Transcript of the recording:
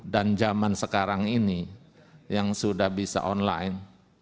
dan zaman sekarang ini yang sudah bisa online